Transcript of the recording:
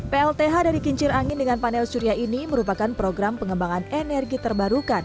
plth dari kincir angin dengan panel surya ini merupakan program pengembangan energi terbarukan